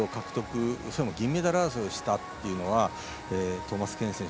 しかも銀メダル争いをしたというのはトーマスケーン選手